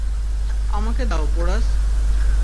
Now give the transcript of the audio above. আমাকে দাও, পোরাস।